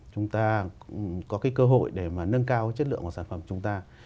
chúng ta có cái cơ hội để mà nâng cao cái chất lượng của sản phẩm chúng ta